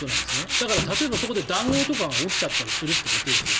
だから、例えばそこで談合とかが起きちゃったりするってことですよ。